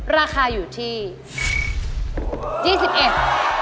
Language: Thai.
ราคาอยู่ที่๒๑บาท